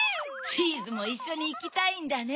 チーズもいっしょにいきたいんだね。